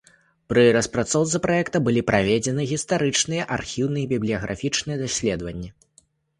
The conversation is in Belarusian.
Пры распрацоўцы праекта былі праведзены гістарычныя, архіўныя і бібліяграфічныя даследаванні.